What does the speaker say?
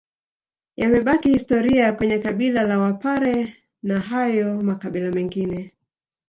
Yamebaki historia kwenye kabila la wapare na hayo makabila mengine